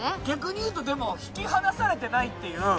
逆に言うとでも引き離されてないっていう。